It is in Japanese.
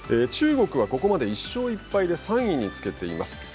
中国は、ここまで１勝１敗で３位につけています。